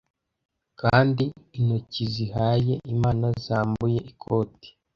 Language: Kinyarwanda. kandi intoki zihaye imana zambuye ikoti